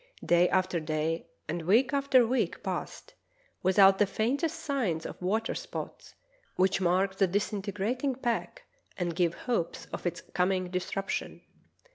Day after day and week after week passed without the faintest signs of water spots, which mark the disintegrating pack and give hopes of its coming disruption.